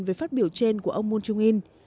về phát biểu trên của ông moon jong in